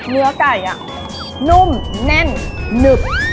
เนื้อไก่นุ่มแน่นหนึบ